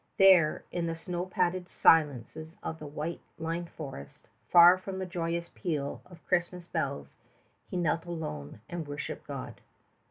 There, in the snow padded silences of the white limned forest, far from the joyous peal of Christmas bells, he knelt alone and worshiped God.